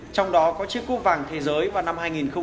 trong đó có chiếc cúp vàng thế giới vào năm hai nghìn một mươi bốn